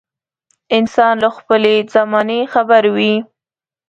انسان له خپلې زمانې خبر وي.